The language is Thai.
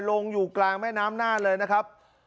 ลงอยู่กลางแม่น้ำน่านเลยนะครับ